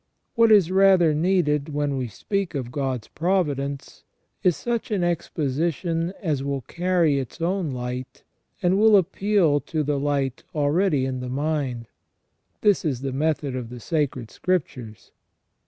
What is rather needed, when we speak of God's providence, is such an exposition as will carry its own light, and will ap])eal to the light already in the mind. This is the method of the Sacred Scriptures.